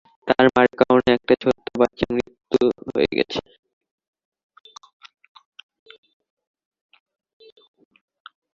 তার মার কারণে একটা ছোট্ট বাচ্চা মারা গেছে।